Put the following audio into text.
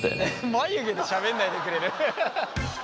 眉毛でしゃべんないでくれる？